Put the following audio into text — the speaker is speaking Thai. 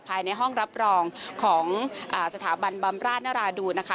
ภายในห้องรับรองของสถาบันบำราชนราดูนนะคะ